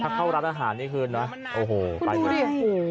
ถ้าเข้ารัฐอาหารนี้ขึ้นนะโอ้โหไปกัน